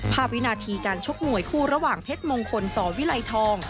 ภาพวินาธีการชกหมวยคู่ระหว่างเทศมงคลสวิลัยทอง